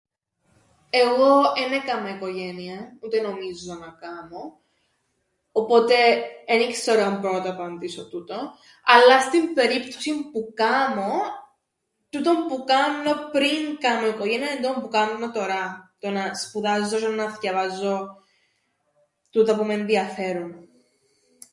Εγώ εν έκαμα οικογένειαν ούτε νομίζω να κάμω, οπότε εν ιξέρω αν μπόρω να το απαντήσω τούτον, αλλά στην περίπτωσην που κάμω, τούτον που κάμνω πριν κάμω οικογένειαν εν' τούτον που κάμνω τωρά, το να σπουδάζω τžαι να θκιαβάζω τούτα που μ' ενδιαφέρουν.